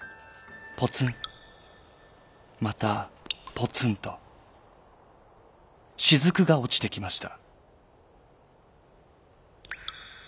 ポツンまたポツンとしずくがおちてきました。